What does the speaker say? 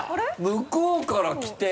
向こうから来て。